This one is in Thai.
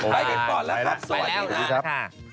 ไปกันก่อนแล้วครับสวัสดีครับ